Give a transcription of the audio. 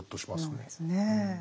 そうですねえ。